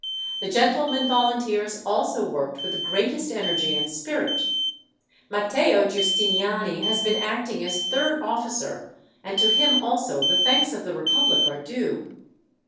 The gentlemen volunteers also worked with the greatest energy and spirit. Matteo Giustiniani has been acting as third officer, and to him also the thanks of the republic are due."